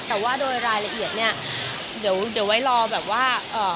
แต่ว่าโดยรายละเอียดเนี่ยเดี๋ยวไว้รอแบบว่า